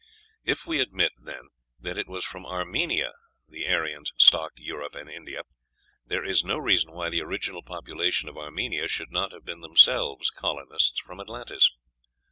If we admit, then, that it was from Armenia the Aryans stocked Europe and India, there is no reason why the original population of Armenia should not have been themselves colonists from Atlantis.